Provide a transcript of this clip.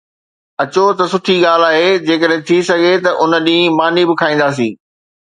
اچو ته سٺي ڳالهه آهي، جيڪڏهن ٿي سگهي ته ان ڏينهن ماني به کائينداسين